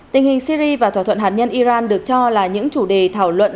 tình hình syri và thỏa thuận hạt nhân iran được cho là những chủ đề thảo luận